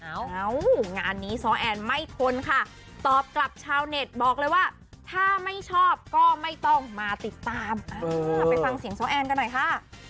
งานนี้ซ้อแอนไม่ทนค่ะตอบกลับชาวเน็ตบอกเลยว่าถ้าไม่ชอบก็ไม่ต้องมาติดตามไปฟังเสียงซ้อแอนกันหน่อยค่ะ